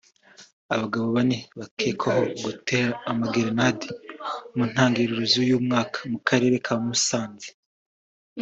Abagabo bane bakekwaho gutera amagerenade mu ntangiriro z’uyu mwaka mu karere ka Musanze